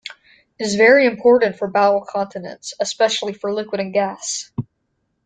It is very important for bowel continence, especially for liquid and gas.